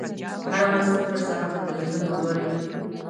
هره ورځ صفر ساعته ټلویزیون وګورئ.